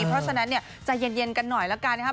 เพราะฉะนั้นใจเย็นกันหน่อยแล้วกันนะครับ